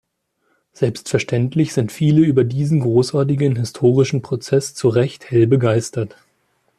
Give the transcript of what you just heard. Selbstverständlich sind viele über diesen großartigen, historischen Prozess zu Recht hell begeistert.